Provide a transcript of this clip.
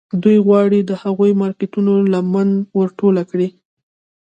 دوی غواړي د هغو مارکیټونو لمن ور ټوله کړي